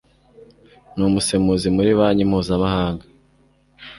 Ni umusemuzi muri banki mpuzamahanga